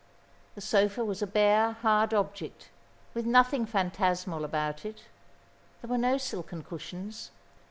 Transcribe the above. The sofa was a bare, hard object, with nothing phantasmal about it. There were no silken cushions.